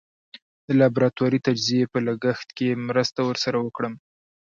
د لابراتواري تجزیې په لګښت کې مرسته ور سره وکړم.